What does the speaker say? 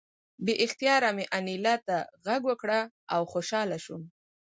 بې اختیاره مې انیلا ته غېږ ورکړه او خوشحاله شوم